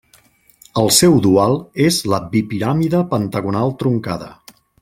El seu dual és la bipiràmide pentagonal truncada.